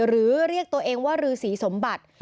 หรือเรียกตัวเองว่าฤษีสมบัติ